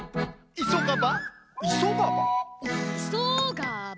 いそがば？